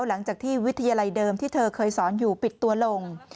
หลังจากที่วิทยาลัยเดิมที่เธอเคยสอนอยู่ปิดตัวลง